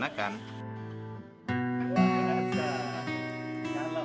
saya tidak tahu